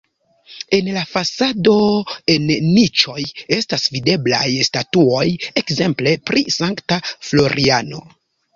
En la fasado en niĉoj estas videblaj statuoj ekzemple pri Sankta Floriano.